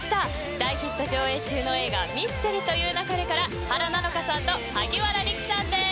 大ヒット上映中の映画「ミステリと言う勿れ」から原菜乃華さんと萩原利久さんです。